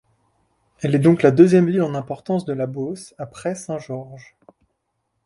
Elle est donc la deuxième ville en importance de la Beauce après Saint-Georges.